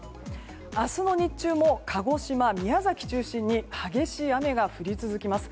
明日の日中も鹿児島、宮崎を中心に激しい雨が降り続きます。